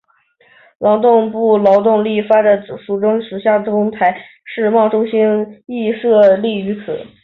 劳动部劳动力发展署中彰投分署与台中世贸中心亦设立于此。